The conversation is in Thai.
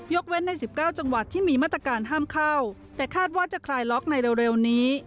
เว้นใน๑๙จังหวัดที่มีมาตรการห้ามเข้าแต่คาดว่าจะคลายล็อกในเร็วนี้